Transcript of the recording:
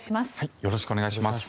よろしくお願いします。